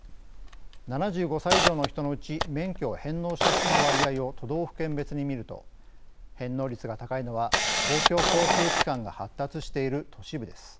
７５歳以上の人のうち免許を返納した人の割合を都道府県別に見ると返納率が高いのは公共交通機関が発達している都市部です。